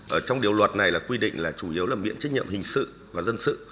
ở trong điều luật này là quy định là chủ yếu là miễn trách nhiệm hình sự và dân sự